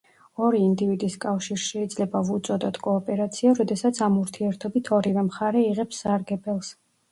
ორი ინდივიდის კავშირს შეიძლება ვუწოდოთ კოოპერაცია, როდესაც ამ ურთიერთობით ორივე მხარე იღებს სარგებელს.